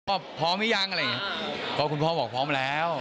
ก็พร้อมหรือยังอะไรอย่างเงี้ยเพราะคุณพ่อบอกพร้อมแล้ว